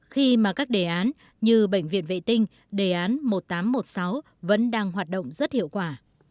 khi mà các đề án như bệnh viện vệ tinh đề án một nghìn tám trăm một mươi sáu vẫn đang hoạt động rất hiệu quả